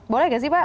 boleh nggak sih pak